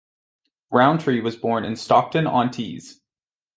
Rowntree was born in Stockton-on-Tees.